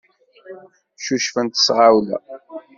Ccucfent s tɣawla.